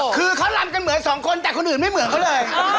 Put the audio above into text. คือเขารำกันเหมือนสองคนแต่คนอื่นไม่เหมือนเขาเลย